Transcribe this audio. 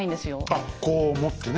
あっこう持ってね。